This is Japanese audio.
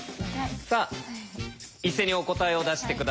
さあ一斉にお答えを出して下さい。